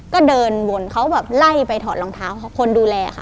ก็เดินวนเขาแบบไล่ไปถอดรองเท้าคนดูแลค่ะ